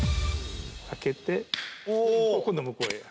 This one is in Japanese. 開けて今度は向こうへ。